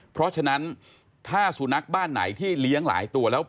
เพราะฉะนั้นถ้าสุนัขบ้านไหนที่เลี้ยงหลายตัวแล้ว